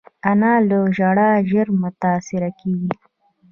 انا له ژړا ژر متاثره کېږي